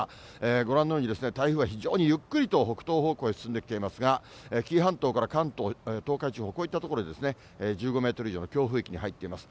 ご覧のように、台風が非常にゆっくりと北東方向へ進んできていますが、紀伊半島から関東、東海地方、こういった所で１５メートル以上の強風域に入っています。